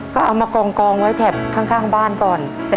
ก็เอามากองไว้แถบข้างบ้านก่อน